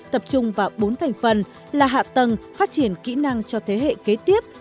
tập trung vào bốn thành phần là hạ tầng phát triển kỹ năng cho thế hệ kế tiếp